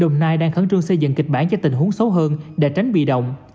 đồng nai đang khẩn trương xây dựng kịch bản cho tình huống xấu hơn để tránh bị động